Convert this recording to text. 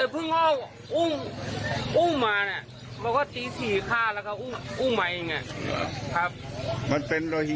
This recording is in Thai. ประมาณ๑ปี